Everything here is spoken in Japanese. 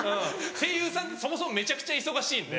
声優さんってそもそもめちゃくちゃ忙しいんで。